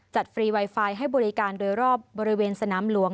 ฟรีไวไฟให้บริการโดยรอบบริเวณสนามหลวง